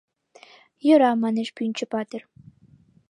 — Йӧра, — манеш Пӱнчӧ-патыр.